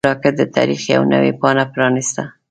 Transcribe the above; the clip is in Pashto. راکټ د تاریخ یوه نوې پاڼه پرانیسته